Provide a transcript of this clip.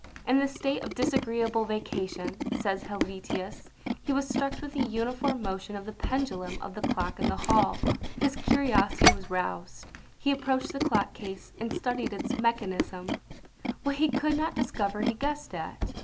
In this state of disagreeable vacation, says Helvetius, he was struck with the uniform motion of the pendulum of the clock in the hall. His curiosity was roused; he approached the clock case, and studied its mechanism; what he could not discover he guessed at.